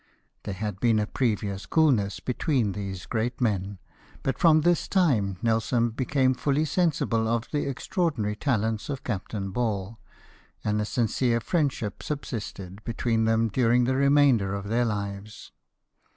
There had been a previous coolness between these great men ; but from this time Nelson became fully sensible of the extra ordinary talents of Captain Ball, and a sincere friend ship subsisted between them during the remainder of their lives.